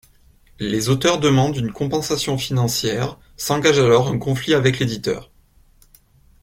Les auteurs demandent une compensation financière, s'engage alors un conflit avec l'éditeur.